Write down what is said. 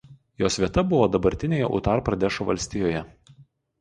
Jos vieta buvo dabartinėje Utar Pradešo valstijoje.